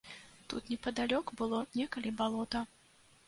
Тут непадалёк было некалі балота.